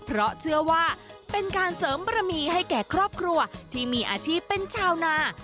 เพราะเชื่อว่าเป็นการเสริมบรมีให้แก่ครอบครัวที่มีอาชีพเป็นชาวนา